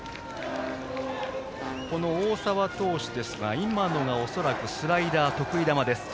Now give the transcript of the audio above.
この大沢投手ですが今のがスライダー、得意球です。